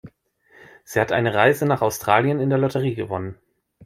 Sie hat eine Reise nach Australien in der Lotterie gewonnen.